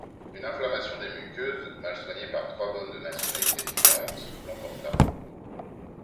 Une inflammation des muqueuses, mal soignée par trois bonnes de nationalités différentes, l'emporta.